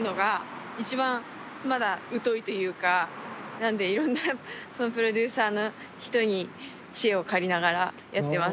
なんでいろんなそのプロデューサーの人に知恵を借りながらやってます